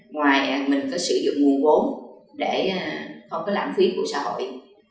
ngoài mình có sử dụng nguồn vốn để không cái lãng phí của xã hội